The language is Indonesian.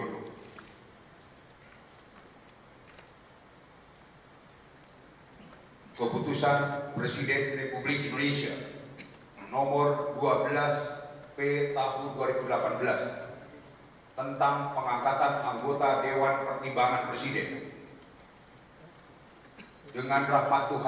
lalu kebangsaan indonesia baik